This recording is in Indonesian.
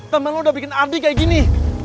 temen lu udah bikin ardi kayak gini